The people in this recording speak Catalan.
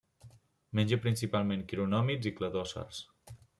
Menja principalment quironòmids i cladòcers.